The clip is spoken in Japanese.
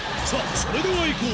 それではいこう！